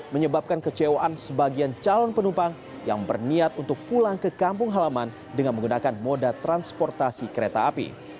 menyebabkan kecewaan sebagian calon penumpang yang berniat untuk pulang ke kampung halaman dengan menggunakan moda transportasi kereta api